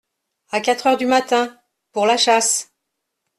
À quatre heures du matin… pour la chasse !